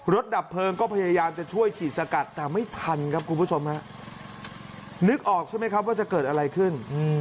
ดับเพลิงก็พยายามจะช่วยฉีดสกัดแต่ไม่ทันครับคุณผู้ชมฮะนึกออกใช่ไหมครับว่าจะเกิดอะไรขึ้น